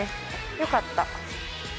よかった。